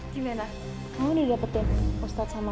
gimana kamu didapetin ustadz sama